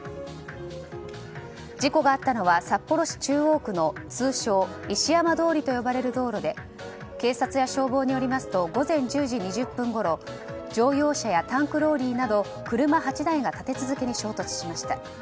事故があったのは札幌市中央区の通称、石山通と呼ばれる通りで警察や消防によりますと午前１０時２０分ごろ乗用車やタンクローリーなど車８台が立て続けに衝突しました。